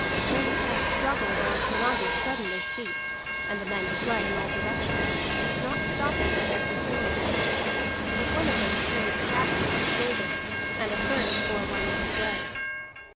Then that struggle around Hiarandi suddenly ceased, and the men fled in all directions, not stopping for their companion; but one of them carried a shaft in his shoulder, and a third bore one in his leg.